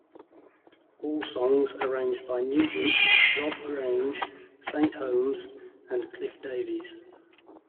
All songs arranged by Nugent, Rob Grange, Saint Holmes and Cliff Davies.